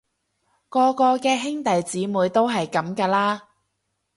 個個嘅兄弟姊妹都係噉㗎啦